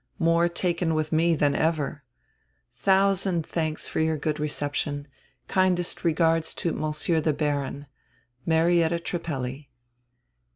More taken with me than ever. Thousand thanks for your good reception. Kindest regards to Monsieur the Baron. Marietta Trippelli."